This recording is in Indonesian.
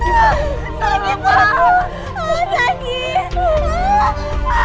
bisa ya pakai normal perya